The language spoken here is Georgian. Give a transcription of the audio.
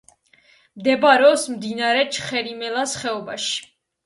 მდებარეობს მდინარე ჩხერიმელას ხეობაში.